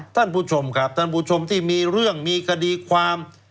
ท่านผู้ชมครับท่านผู้ชมที่มีเรื่องมีคดีความ